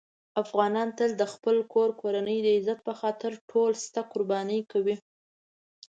افغانان تل د خپل کور کورنۍ د عزت په خاطر ټول شته قرباني کوي.